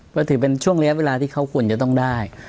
ก็ถือเป็นช่วงระยะเวลาที่เขาควรจะต้องได้